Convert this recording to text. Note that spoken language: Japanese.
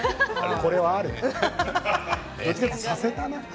これはあるな。